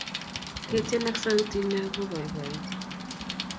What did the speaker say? ketieni ak sautit neoo ko poipoiiti